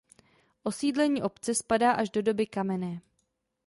Osídlení obce spadá až do doby kamenné.